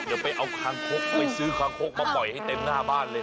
เดี๋ยวไปเอาคางคกไปซื้อคางคกมาปล่อยให้เต็มหน้าบ้านเลย